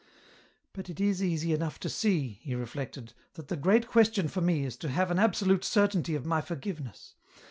" But it is easy enough to see," he reflected, " that the great question for me is to have an absolute certainty of my forgiveness